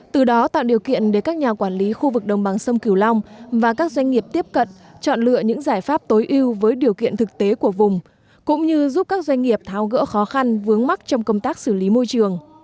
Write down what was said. từ đó tạo điều kiện để các nhà quản lý khu vực đồng bằng sông kiều long và các doanh nghiệp tiếp cận chọn lựa những giải pháp tối ưu với điều kiện thực tế của vùng cũng như giúp các doanh nghiệp tháo gỡ khó khăn vướng mắt trong công tác xử lý môi trường